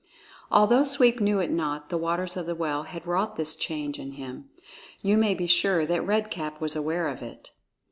(Although Sweep knew it not, the waters of the well had wrought this change in him. You may be sure that Red Cap was aware of it!)